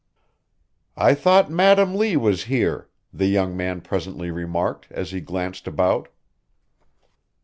"I thought Madam Lee was here," the young man presently remarked, as he glanced about.